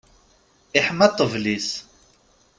Iḥma ṭṭbel-is.